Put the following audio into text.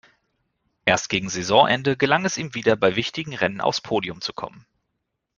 Erst gegen Saisonende gelang es ihm wieder, bei wichtigen Rennen aufs Podium zu kommen.